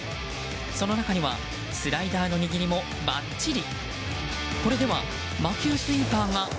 その中にはスライダーの握りもばっちり。